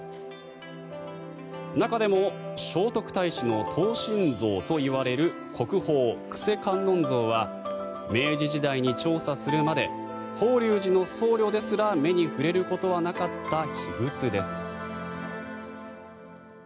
中でも聖徳太子の等身像といわれる国宝・救世観音像は明治時代に調査するまで法隆寺の僧侶ですら目にすることがなかった秘仏です。